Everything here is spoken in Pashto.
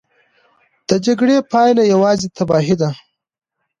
د جګړې پایله یوازې تباهي ده.